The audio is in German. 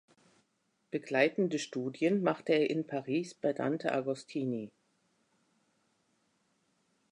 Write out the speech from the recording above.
Begleitende Studien machte er in Paris bei Dante Agostini.